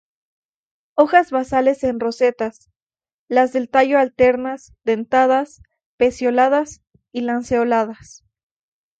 Hojas basales en roseta; las del tallo alternas, dentadas, pecioladas y lanceoladas.